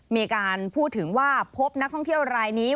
มีการพูดถึงว่าพบนักท่องเที่ยวรายนี้